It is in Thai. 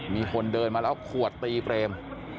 มีคนเดินมาแล้วขวดตีเปรม